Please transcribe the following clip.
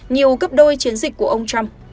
nhiều gấp đôi chiến dịch của ông trump